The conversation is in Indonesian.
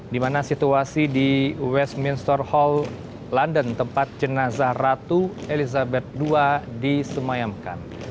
di mana situasi di westminster hall london tempat jenazah ratu elizabeth ii disemayamkan